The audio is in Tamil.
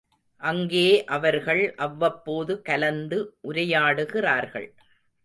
அங்கே அவர்கள் அவ்வப்போது கலந்து உரையாடுகிறார்கள்.